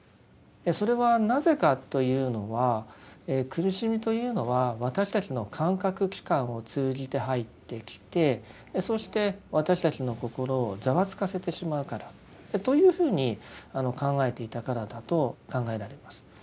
それはなぜかというのは苦しみというのは私たちの感覚器官を通じて入ってきてそして私たちの心をざわつかせてしまうからというふうに考えていたからだと考えられます。